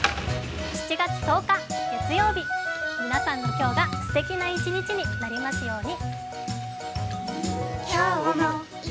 ７月１０日月曜日、皆さんの今日がすてきな一日になりますように。